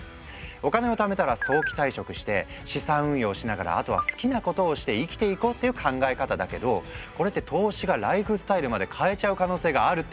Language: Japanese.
お金をためたら早期退職して資産運用しながらあとは好きなことをして生きていこうっていう考え方だけどこれって投資がライフスタイルまで変えちゃう可能性があるってこと。